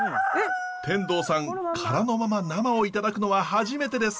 天童さん殻のまま生をいただくのは初めてです。